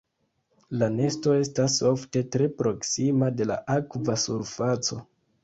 La nesto estas ofte tre proksima de la akva surfaco.